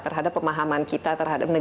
terhadap pemahaman kita terhadap negara